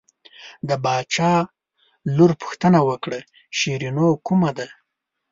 د باچا لور پوښتنه وکړه شیرینو کومه ده.